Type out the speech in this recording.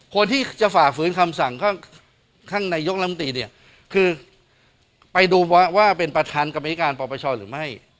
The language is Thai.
คนที่จะฝ่าฝืนคำสั่งข้างในยกลำตีเนี่ยคือไปดูว่าเป็นประธานกรรมธิการปปชหรือไม่